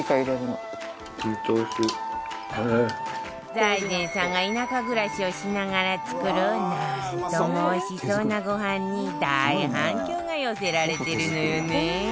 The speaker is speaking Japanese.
財前さんが田舎暮らしをしながら作るなんとも美味しそうなご飯に大反響が寄せられてるのよね